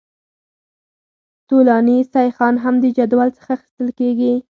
طولاني سیخان هم د جدول څخه اخیستل کیږي